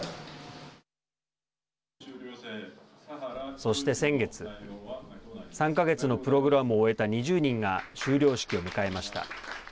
そして、先月３か月のプログラムを終えた２０人が修了式を迎えました。